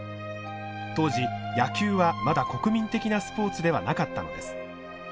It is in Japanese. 当時野球はまだ国民的なスポーツではなかったのです。